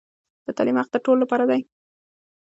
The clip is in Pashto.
د تعليم حق د ټولو لپاره دی.